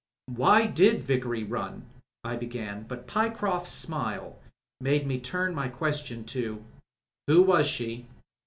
"Why did Vickery run," I began, but Pyecroft's smile made me turn my question to "Who was she?"